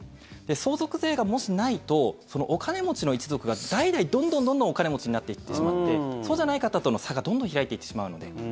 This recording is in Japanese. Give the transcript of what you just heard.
相続税がもし、ないとお金持ちの一族が代々、どんどんどんどんお金持ちになっていってしまってそうじゃない方との差がどんどん開いていってしまうので。